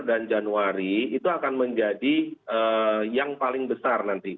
dan januari itu akan menjadi yang paling besar nanti